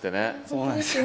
そうなんですよ